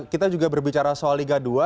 kita juga berbicara soal liga dua